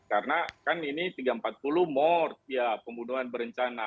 karena kan ini tiga ratus empat puluh mort ya pembunuhan berencana